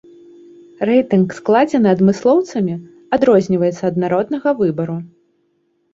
Рэйтынг, складзены адмыслоўцамі, адрозніваецца ад народнага выбару.